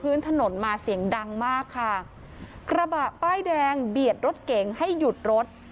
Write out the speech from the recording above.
ถนนมาเสียงดังมากค่ะกระบะป้ายแดงเบียดรถเก๋งให้หยุดรถ